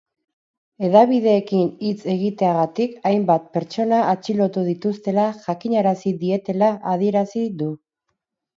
Hedabideekin hitz egiteagatik hainbat pertsona atxilotu dituztela jakinarazi dietela adierazi du.